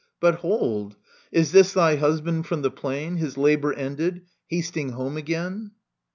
But hold : is this thy husband from the plain. His labour ended, hasting home again